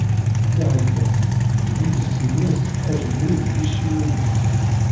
Lleh! Lleh! deg yiles-ines, ajenwi deg yiciwi-ines.